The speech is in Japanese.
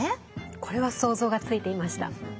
これは想像がついていました。